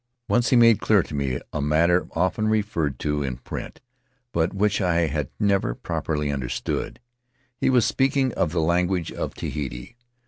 Once he made clear to me a matter often referred to in print, but which I had never properly understood. He was speaking of the language of Tahiti.